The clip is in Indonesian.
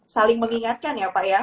saling mengingatkan ya pak ya